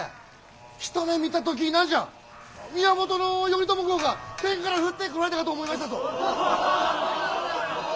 一目見た時何じゃ源頼朝公が天から降ってこられたかと思いましたぞ！